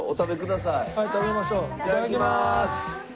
いただきます。